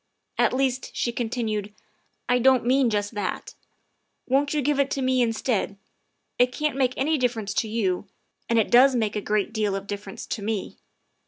"At least," she continued, " I don't mean just that. Won't you give it to me instead? It can't make any difference to you, and it does make a great deal of dif ference to me.